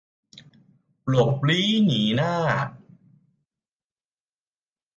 หลบลี้หนีหน้า